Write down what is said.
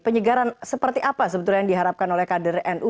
penyegaran seperti apa sebetulnya yang diharapkan oleh kader nu